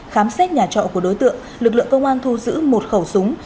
khám xét nhà trọ của đối tượng lực lượng công an thu giữ một khẩu súng